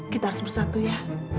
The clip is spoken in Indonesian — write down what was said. kita harus bersatu ya